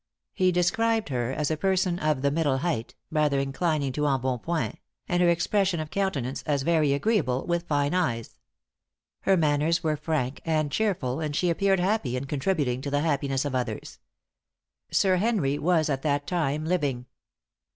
He described her person as of the middle height, rather inclining to embonpoint; and her expression of countenance as very agreeable, with fine eyes. Her manners were frank and cheerful, and she appeared happy in contributing to the happiness of others. Sir Henry was at that time living.